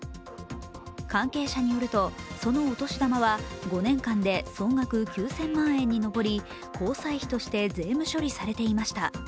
関係者によると、そのお年玉は５年間で総額９０００万円にのぼり、交際費として税務処理されていました。